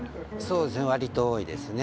わりと多いですね。